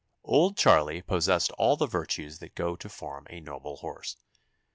Old Charlie possessed all the virtues that go to form a "noble horse."